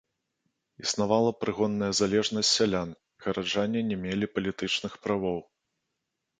Існавала прыгонная залежнасць сялян, гараджане не мелі палітычных правоў.